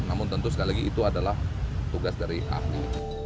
namun tentu sekali lagi itu adalah tugas dari ahli